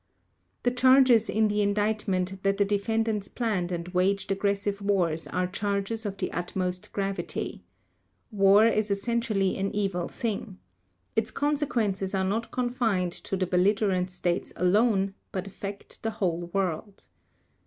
The charges in the Indictment that the defendants planned and waged aggressive wars are charges of the utmost gravity. War is essentially an evil thing. Its consequences are not confined to the belligerent States alone, but affect the whole world.